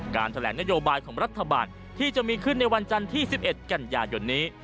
แถลงนโยบายของรัฐบาลที่จะมีขึ้นในวันจันทร์ที่๑๑กันยายนนี้